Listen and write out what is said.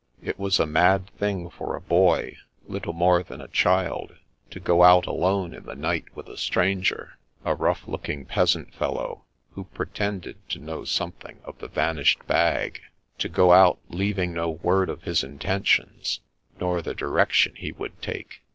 It was a mad thing for a boy, little more than a child, to go out alone in the night with a stranger, a " rough look ing peasant fellow," who pretendeid to know some thing of the vanished bag; to go out, leaving no word of his intentions, nor the direction he would take.